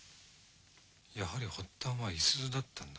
やはり発端は五十鈴だったんだ。